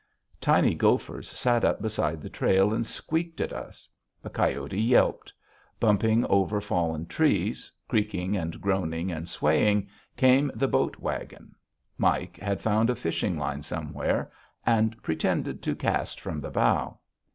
Tiny gophers sat up beside the trail and squeaked at us. A coyote yelped. Bumping over fallen trees, creaking and groaning and swaying, came the boat wagon. Mike had found a fishing line somewhere, and pretended to cast from the bow.